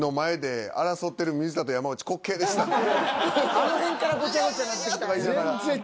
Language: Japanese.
あの辺からごちゃごちゃになってきたんや。